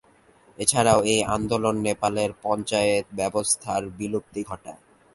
এছাড়াও এই আন্দোলন নেপালের পঞ্চায়েত ব্যবস্থার বিলুপ্তি ঘটায়।